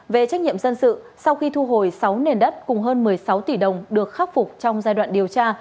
về trách nhiệm dân sự sau khi thu hồi sáu nền đất cùng hơn một mươi sáu tỷ đồng được khắc phục trong giai đoạn điều tra